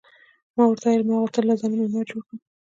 ما ورته وویل: ما غوښتل له ځانه معمار جوړ کړم.